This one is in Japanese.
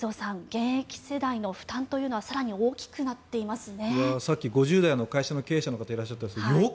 現役世代の負担というのは更に大きくなっていますね。